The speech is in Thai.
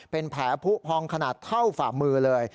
เป็นแผลผู้พองขนาดเท่าฝ่ามือเลย